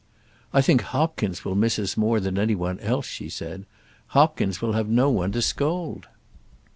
"I think Hopkins will miss us more than any one else," she said. "Hopkins will have no one to scold."